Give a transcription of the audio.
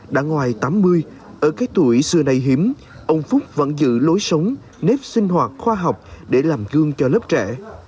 đã ngoài tám mươi ở cái tuổi xưa nay hiếm ông phúc vẫn giữ lối sống nếp sinh hoạt khoa học để làm gương cho lớp trẻ